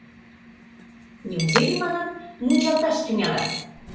Неужели, манам, мунчалташ тӱҥалат?